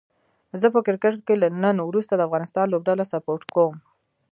زه په کرکټ کې له نن وروسته د افغانستان لوبډله سپوټ کووم